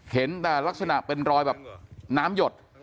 เห็นแต่ลักษณะเป็นรอยแบบน้ำหยด